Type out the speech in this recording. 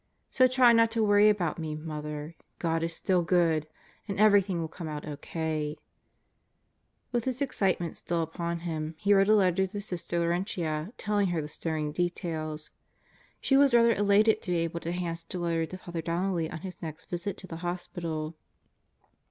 So try not to worry about me, Mother. "God is still God and everything will come out O.K." With this excitement still upon him he wrote a letter to Sister Laurentia telling her the stirring details. She was rather elated to be able to hand such a letter to Father Donnelly on his next visit to the Hospital.